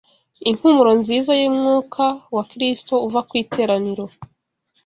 impumuro nziza y’Umwuka wa Kristo uva ku iteraniro